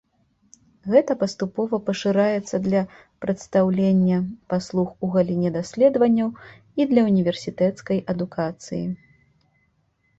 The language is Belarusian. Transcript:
Гэта паступова пашыраецца для прадастаўлення паслуг у галіне даследаванняў і для універсітэцкай адукацыі.